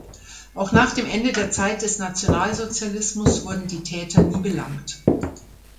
Auch nach dem Ende der Zeit des Nationalsozialismus wurden die Täter nie belangt.